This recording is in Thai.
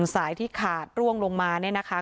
สายที่ขาดร่วงลงมาเนี่ยนะคะ